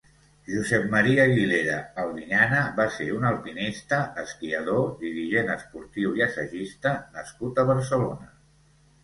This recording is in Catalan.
Josep Maria Guilera Albiñana va ser un alpinista, esquiador, dirigent esportiu i assagista nascut a Barcelona.